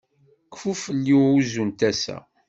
Kfu fell-i uzzu n tasa.